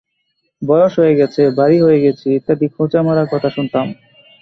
বয়স হয়ে গেছে, ভারী হয়ে গেছি ইত্যাদি খোঁচা মারা কথা শুনতাম।